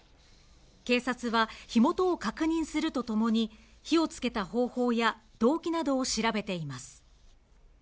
警察は火元を確認するとともに火をつけた方法や動機などを調べています。